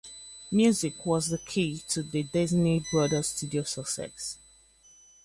Music was key to the Disney Brother Studios' success.